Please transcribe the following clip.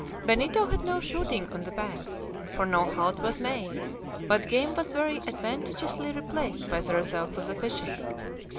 Benito had no shooting on the banks, for no halt was made, but game was very advantageously replaced by the results of the fishing.